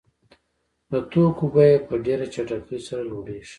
د توکو بیه په ډېره چټکۍ سره لوړېږي